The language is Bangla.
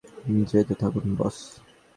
যেতে থাকুন বস!